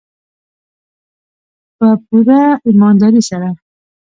په پوره ایمانداري سره.